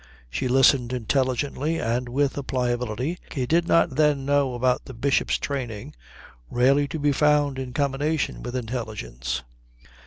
She listened intelligently, and with a pliability he did not then know about the Bishop's training rarely to be found in combination with intelligence.